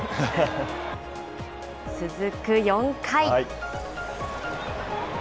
続く４回。